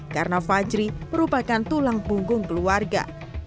karena fajri merupakan tulang punggung keluarga